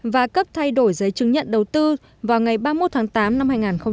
và cấp thay đổi giấy chứng nhận đầu tư vào ngày ba mươi một tháng tám năm hai nghìn hai mươi